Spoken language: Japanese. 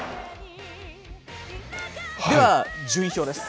では順位表です。